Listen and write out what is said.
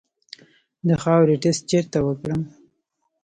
د خاورې ټسټ چیرته وکړم؟